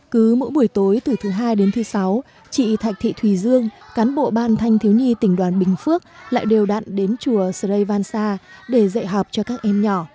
cứ mỗi buổi tối từ thứ hai đến thứ sáu chị thạch thị thùy dương cán bộ ban thanh thiếu nhi tỉnh đoàn bình phước lại đều đặn đến chùa sây vansa để dạy học cho các em nhỏ